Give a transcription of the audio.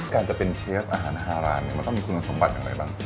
การจะเป็นเชฟอาหารฮารานมันต้องมีคุณสมบัติอย่างไรบ้าง